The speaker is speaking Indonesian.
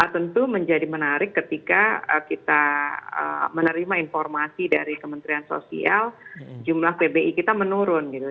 tentu menjadi menarik ketika kita menerima informasi dari kementerian sosial jumlah pbi kita menurun gitu